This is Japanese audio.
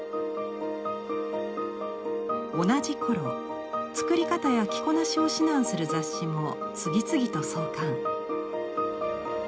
同じ頃作り方や着こなしを指南する雑誌も次々と創刊。